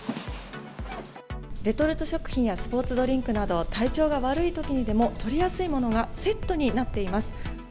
レトルト食品やスポーツドリンクなど、体調が悪いときにでもとりやすいものがセットになっています。